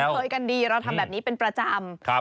เคยกันดีเราทำแบบนี้เป็นประจำ